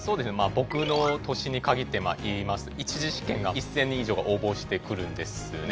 僕の年に限って言いますと１次試験が１０００人以上が応募してくるんですね。